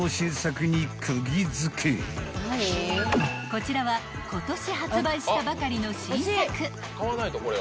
［こちらは今年発売したばかりの新作］